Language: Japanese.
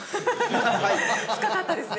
深かったですね